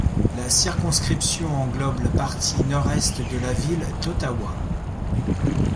La circonscription englobe la partie nord-est de la ville d'Ottawa.